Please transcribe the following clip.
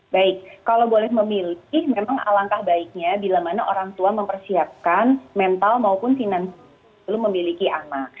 baik kalau boleh memilih memang alangkah baiknya bila mana orang tua mempersiapkan mental maupun finansial belum memiliki anak